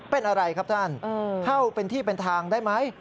เป็นอะไรครับท่านเข้าเป็นที่เป็นทางได้ไหม